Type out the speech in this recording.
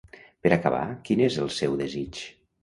Per acabar, quin és el seu desig?